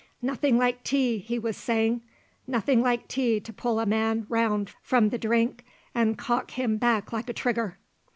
"Nothing like tea," he was saying "nothing like tea to pull a man round from the drink and cock him back like a trigger."